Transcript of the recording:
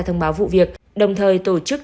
thông báo vụ việc đồng thời tổ chức